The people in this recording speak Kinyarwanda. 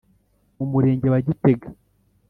mu Murenge wa Gitega